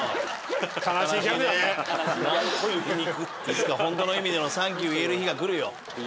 いつかほんとの意味でのサンキュー言える日が来るよ。